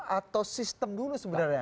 atau sistem dulu sebenarnya